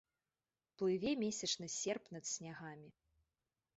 Плыве месячны серп над снягамі.